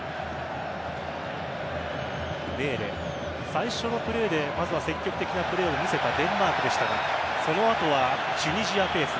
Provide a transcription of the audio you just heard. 最初のプレーでまずは積極的なプレーを見せたデンマークでしたがその後はチュニジアペース。